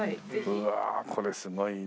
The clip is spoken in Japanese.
うわこれすごいね。